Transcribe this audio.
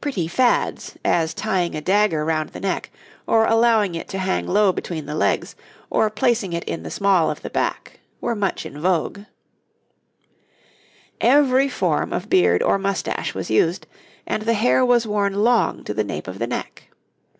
Pretty fads, as tying a dagger round the neck, or allowing it to hang low between the legs, or placing it in the small of the back, were much in vogue. [Illustration: {Two types of long shoe}] Every form of beard or moustache was used, and the hair was worn long to the nape of the neck.